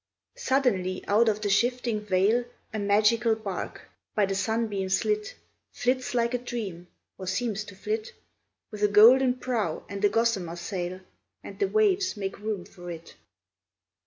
Suddenly out of the shifting veil A magical bark, by the sunbeams lit, Flits like a dream, or seems to flit, With a golden prow and a gossamer sail, And the waves make room for it.